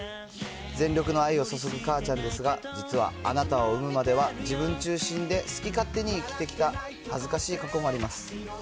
全力の愛を注ぐかーちゃんですが、実はあなたを産むまでは、自分中心で好き勝手に生きてきた恥ずかしい過去もあります。